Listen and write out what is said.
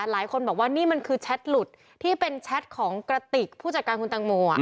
หลายคนบอกว่านี่มันคือแชทหลุดที่เป็นแชทของกระติกผู้จัดการคุณตังโม